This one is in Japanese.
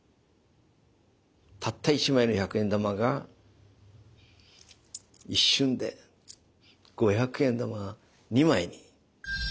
たった一枚の１００円玉が一瞬で５００円玉２枚に。